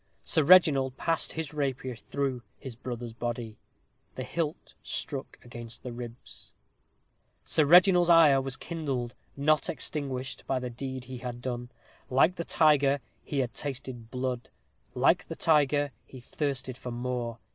Sir Reginald passed his rapier through his brother's body. The hilt struck against his ribs. Sir Reginald's ire was kindled, not extinguished, by the deed he had done. Like the tiger, he had tasted blood like the tiger, he thirsted for more.